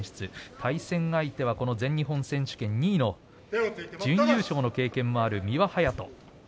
対戦相手は全日本選手権２位の準優勝の経験もある三輪隼斗。